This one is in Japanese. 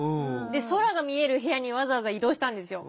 で空が見える部屋にわざわざ移動したんですよ。